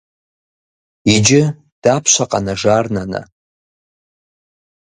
Иджы дапщэ къэнэжар, нанэ?